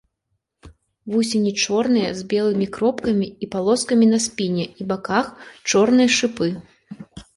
Вусені чорныя, з белымі кропкамі і палоскамі на спіне і баках, чорныя шыпы.